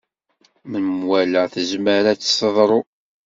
Menwala tezmer ad s-teḍru.